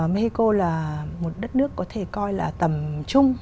mexico là một đất nước có thể coi là tầm trung